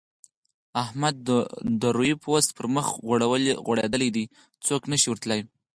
احمد د روې پوست پر مخ غوړولی دی؛ څوک نه شي ور تلای.